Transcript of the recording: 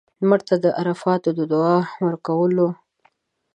مړه ته د عرفاتو دعا ورکوو